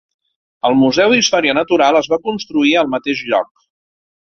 El Museu d'història natural es va construir al mateix lloc.